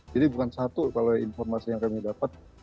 jadi bukan satu kalau informasi yang kami dapat